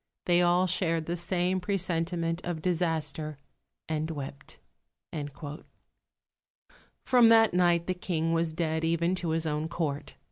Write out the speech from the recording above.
They all shared the same presentiment of disaster, and wept." From that night the King was dead, even to his own Court.